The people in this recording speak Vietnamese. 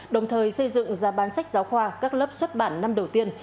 đồng thời xây dựng giá bán sách giáo khoa các lớp xuất bản năm đầu tiên